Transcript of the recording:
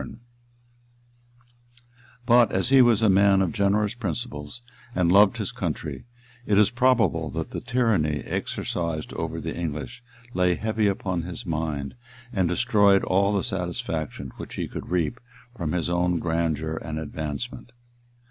] But as he was a man of generous principles, and loved his country, it is probable that the tyranny exercised over the English lay heavy upon his mind, and destroyed all the satisfaction which he could reap from his own grandeur and advancement.